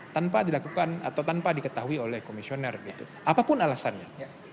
tanpa dilakukan atau tanpa diketahui oleh komisioner gitu apapun alasannya